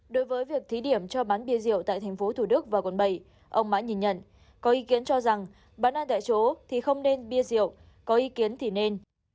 đối với việc thí điểm cho bán bia rượu tại tp thủ đức và quận bảy ông mãi nhìn nhận có ý kiến cho rằng bán ăn tại chỗ thì không nên bia rượu có ý kiến thì nên